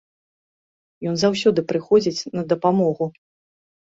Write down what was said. Ён заўсёды прыходзіць на дапамогу.